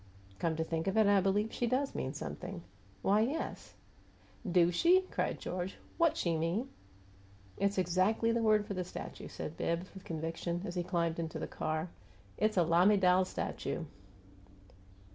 "Come to think of it, I believe she does mean something. Why, yes " "Do she?" cried George. "WHAT she mean?" "It's exactly the word for the statue," said Bibbs, with conviction, as he climbed into the car. "It's a lamiDAL statue."